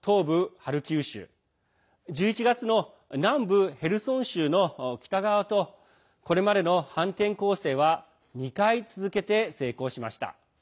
ハルキウ州１１月の南部ヘルソン州の北側とこれまでの反転攻勢は２回続けて成功しました。